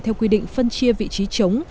theo quy định phân chia vị trí chống